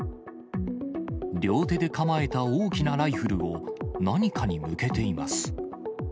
両手で構えた大きなライフルを何かに向けています。